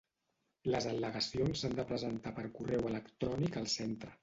Les al·legacions s'han de presentar per correu electrònic al centre.